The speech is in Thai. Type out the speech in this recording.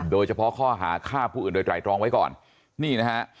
โดยเฉพาะข้อหาฆ่าผู้อื่นโดยไตรรองไว้ก่อนนี่นะฮะ